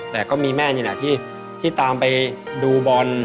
แต่ก็มีแม่นี่แหละที่ตามไปดูบอล